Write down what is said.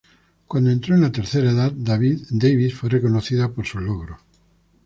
Cuando entró en la tercera edad, Davis fue reconocida por sus logros.